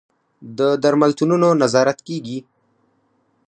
د درملتونونو نظارت کیږي؟